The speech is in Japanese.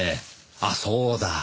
あっそうだ。